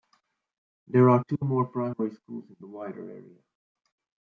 There are two more primary schools in the wider area.